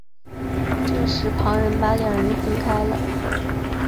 这时旁人把两人分开了。